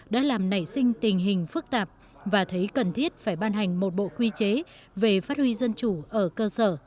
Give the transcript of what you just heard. đã làm nảy sinh tình hình phức tạp và thấy cần thiết phải ban hành một bộ quy chế về phát huy dân chủ ở cơ sở